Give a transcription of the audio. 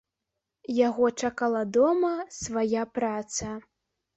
Яго чакала дома свая праца.